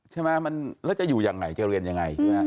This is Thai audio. ใช่ไหมแล้วจะอยู่อย่างไงจะเรียนอย่างไง